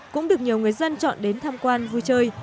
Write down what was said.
cũng được nhiều người dân chọn đến tham quan vui chơi